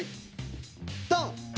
ドン！